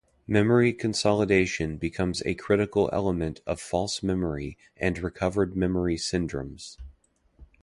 Memory consolidation becomes a critical element of false memory and recovered memory syndromes.